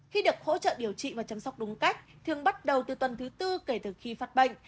khi được hỗ trợ điều trị và chăm sóc đúng cách thường bắt đầu từ tuần thứ tư kể từ khi phát bệnh